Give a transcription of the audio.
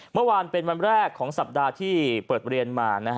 เมื่อวานเป็นวันแรกของสัปดาห์ที่เปิดเรียนมา